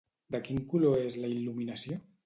De quin color és la il·luminació?